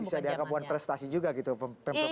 bisa dia kebutuhan prestasi juga gitu pem publik itu